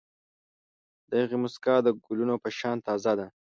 د هغې موسکا د ګلونو په شان تازه ده.